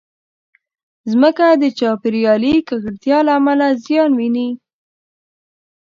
مځکه د چاپېریالي ککړتیا له امله زیان ویني.